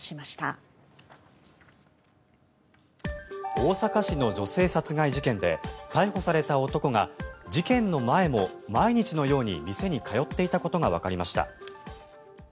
大阪市の女性殺害事件で逮捕された男が事件の前も毎日のように店に通っていたことがわかりました。